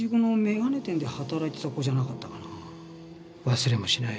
忘れもしない。